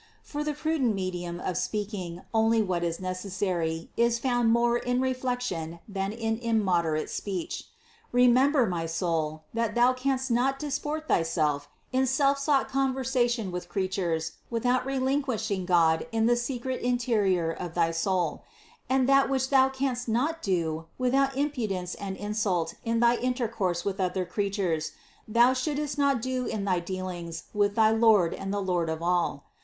For the prudent medium of speak ing only what is necessary, is found more in reflection than in immoderate speech. Remember, my soul, that thou canst not disport thyself in self sought conversation with creatures without relinquishing God in the secret interior of thy soul; and that which thou canst not do without impudence and insult in thy intercourse with other creatures, thou shouldst not do in thy dealings with thy Lord and the Lord of all.